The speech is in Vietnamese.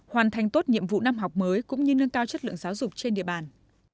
hoàn thành tốt nhiệm vụ năm học mới cũng như nâng cao chất lượng giáo dục trên địa bàn